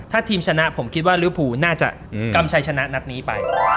ถ้าทีมชนะผมคิดว่าริวภูน่าจะกำชัยชนะนัดนี้ไป